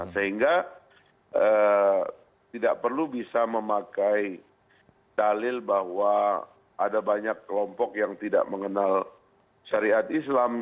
sehingga tidak perlu bisa memakai dalil bahwa ada banyak kelompok yang tidak mengenal syariat islam